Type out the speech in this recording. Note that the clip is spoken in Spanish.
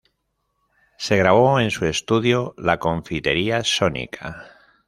Se grabó en su estudio "La Confitería Sónica".